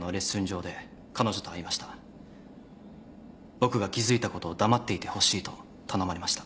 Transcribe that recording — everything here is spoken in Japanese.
僕が気付いたことを黙っていてほしいと頼まれました。